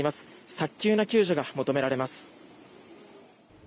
早急な救助が求められます。